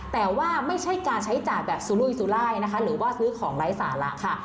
แต่ว่าไม่ใช่การใช้จ่ายแบบสุรุยสุรายนะคะหรือว่าซื้อของไร้สาระค่ะ